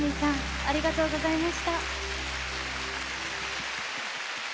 ありがとうございます。